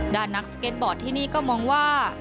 ด้านนักสเก็ตบอร์ดที่นี่ก็มองว่า